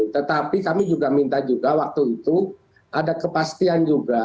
tetapi kami juga minta juga waktu itu ada kepastian juga